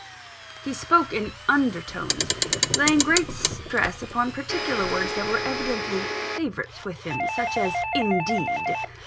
He spoke in under tones, laying great stress upon particular words that were evidently favourites with him such as, "indeed."